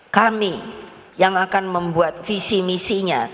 kami yang akan membuat visi misinya